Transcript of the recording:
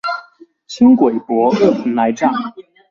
輕軌駁二蓬萊站